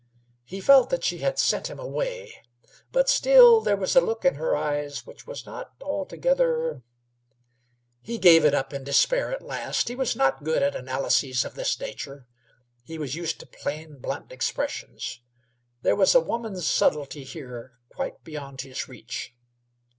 He felt that she had sent him away; but still there was a look in her eyes which was not altogether He gave it up in despair at last. He was not good at analyses of this nature; he was used to plain, blunt expressions. There was a woman's subtlety here quite beyond his reach.